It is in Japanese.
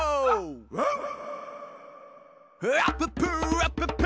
アップップ！